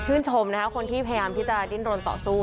ชมนะคะคนที่พยายามที่จะดิ้นรนต่อสู้